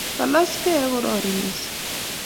kilaskei akorari missing